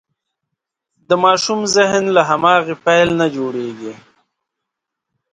د ماشوم ذهن له هماغې پیل نه جوړېږي.